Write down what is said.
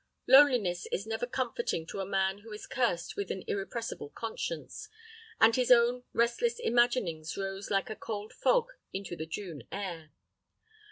Loneliness is never comforting to a man who is cursed with an irrepressible conscience, and his own restless imaginings rose like a cold fog into the June air.